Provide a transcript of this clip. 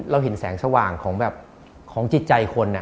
เราเห็นแสงสว่างของแบบของจิตใจคน